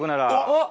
あっ！